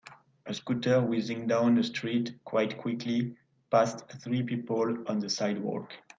A scooter whizzing down a street quite quickly past three people on the sidewalk.